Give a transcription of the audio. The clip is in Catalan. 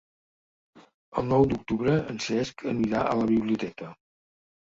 El nou d'octubre en Cesc anirà a la biblioteca.